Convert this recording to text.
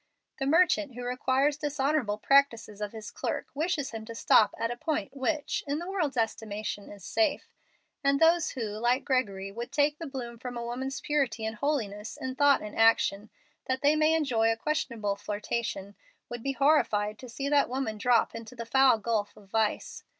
The merchant who requires dishonorable practices of his clerk wishes him to stop at a point which, in the world's estimation, is safe. And those who, like Gregory, would take the bloom from woman's purity and holiness in thought and action, that they may enjoy a questionable flirtation, would be horrified to see that woman drop into the foul gulf of vice.